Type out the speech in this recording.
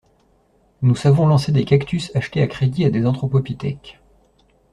Nous savons lancer des cactus achetés à crédit à des anthropopithèques.